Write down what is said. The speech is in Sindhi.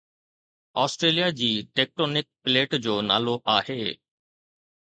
آسٽريليا جي ٽيڪٽونڪ پليٽ جو نالو آهي